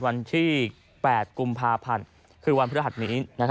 วันที่๘กุมภาพรรณหรือวันพื้นหัดนี้